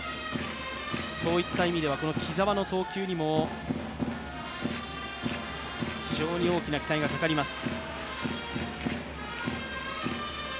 そういった意味では木澤の投球にも非常に大きな期待がかかります。